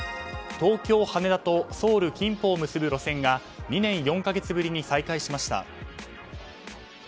東京・羽田とソウル金浦を結ぶ路線が２年４か月ぶりに再開しました。